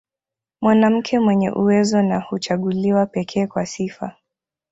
Mwanamke mwenye uwezo na huchaguliwa pekee kwa sifa